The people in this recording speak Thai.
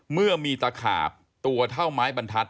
เมื่อมีตะขาบตัวเท่าไม้บรรทัศน